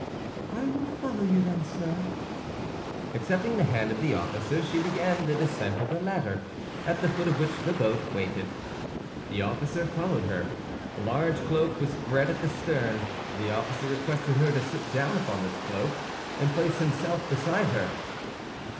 "I will follow you, then, sir." Accepting the hand of the officer, she began the descent of the ladder, at the foot of which the boat waited. The officer followed her. A large cloak was spread at the stern; the officer requested her to sit down upon this cloak, and placed himself beside her.